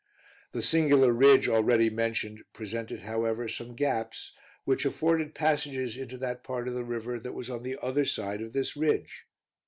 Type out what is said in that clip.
The singular ridge already mentioned, presented, however, some gaps, which afforded passages into that part of the river that was on the other side of this ridge.